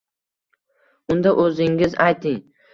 Unda, o‘zingiz ayting?